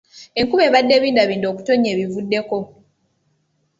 Enkuba ebadde ebindabinda okutonya ebivuddeko.